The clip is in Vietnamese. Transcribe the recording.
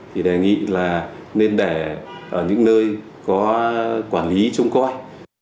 thì đề nghị là nên để ở những nơi có quản lý trông coi